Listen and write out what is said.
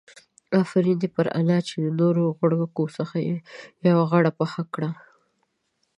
آفرين دي پر انا چې د نو غړکو څخه يې يوه غړکه پخه کړه.